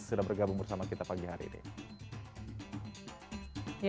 sudah bergabung bersama kita pagi hari ini